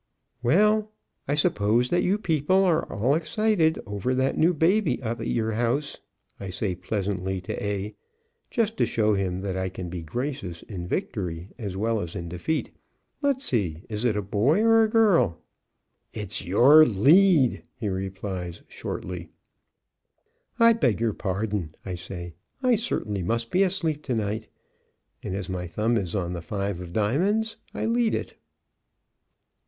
"Well, I suppose that you people are all excited over that new baby up at your house," I say pleasantly to A, just to show him that I can be gracious in victory as well as in defeat. "Let's see, is it a boy or a girl?" "It's your lead!" he replies shortly. "I beg your pardon," I say; "I certainly must be asleep to night." And, as my thumb is on the 5 of diamonds, I lead it.